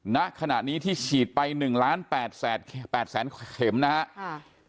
ณขณะนี้ที่ฉีดไป๑ล้าน๘แสนเข็มนะครับ